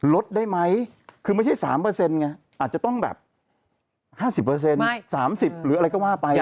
ลดได้ไหมคือไม่ใช่๓ไงอาจจะต้องแบบ๕๐๓๐หรืออะไรก็ว่าไป